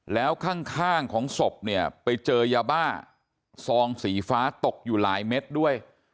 แล้วข้างของศพเนี่ยไปเจอยาบ้าซองสีฟ้าตกอยู่หลายเม็ดด้วย